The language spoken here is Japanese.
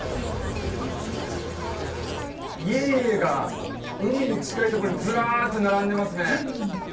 家々が海に近いところにズラーッて並んでいますね